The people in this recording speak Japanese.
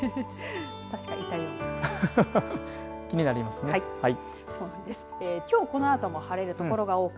確かにいたようです。